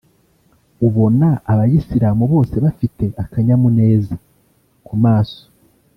ubona Abayisilamu bose bafite akanyamuneza ku maso